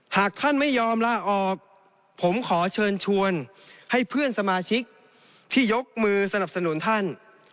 หากท่านไม่ยอมลาออกผมขอเชิญชวนให้เพื่อนสมาชิกที่ยกมือสนับสนุนท่าน